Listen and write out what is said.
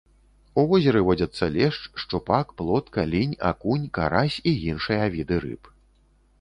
У возеры водзяцца лешч, шчупак, плотка, лінь, акунь, карась і іншыя віды рыб.